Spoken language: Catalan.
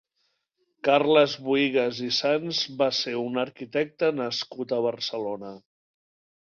Carles Buïgas i Sans va ser un arquitecte nascut a Barcelona.